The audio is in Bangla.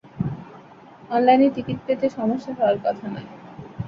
অনলাইনে টিকিট পেতে সমস্যা হওয়ার কথা নয়।